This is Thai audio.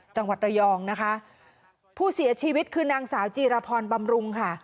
จังหวัดระยองนะคะผู้เสียชีวิตคือนางสาวจีรพรบำรุงค่ะ